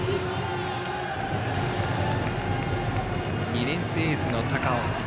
２年生エースの高尾。